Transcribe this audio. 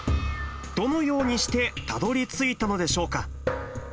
どのようにしてたどりついたのでしょうか。